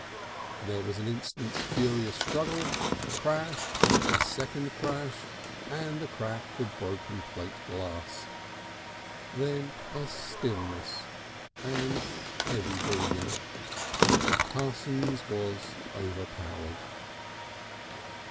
There was an instant's furious struggle, a crash, a second crash and the crack of broken plate glass. Then a stillness and heavy breathing. Parsons was overpowered....